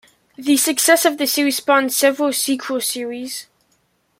The success of the series spawned several sequel series.